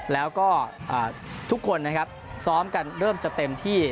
แล้วก็ทุกคนนะครับซ้อมกันเริ่มจะเต็มที่